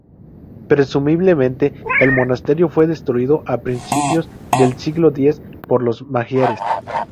Presumiblemente, el monasterio fue destruido a principios del siglo X por los magiares.